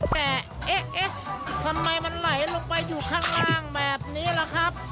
แต่เอ๊ะทำไมมันไหลลงไปอยู่ข้างล่างแบบนี้ล่ะครับ